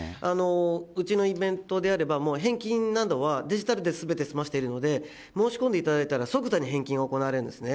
うちのイベントであれば、もう返金などはデジタルですべて済ませているので、申し込んでいただいたら、即座に返金が行われるんですね。